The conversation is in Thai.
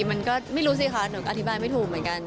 มันก็ไม่รู้สิคะหนูก็อธิบายไม่ถูกเหมือนกัน